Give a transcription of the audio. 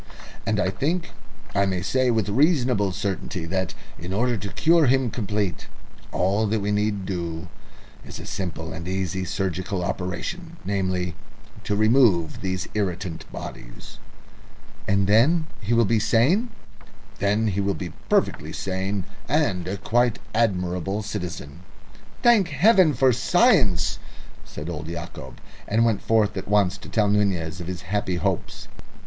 "And I think I may say with reasonable certainty that, in order to cure him completely, all that we need do is a simple and easy surgical operation namely, to remove these irritant bodies." "And then he will be sane?" "Then he will be perfectly sane, and a quite admirable citizen." "Thank Heaven for science!" said old Yacob, and went forth at once to tell Nunez of his happy hopes.